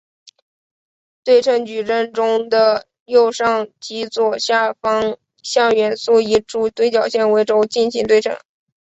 对称矩阵中的右上至左下方向元素以主对角线为轴进行对称。